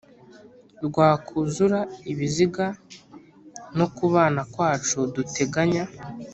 rwakuzura ibizinga no kubana kwacu duteganya